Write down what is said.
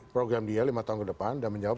program dia lima tahun ke depan dan menjawab